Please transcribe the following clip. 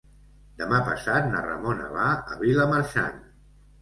Demà passat na Ramona va a Vilamarxant.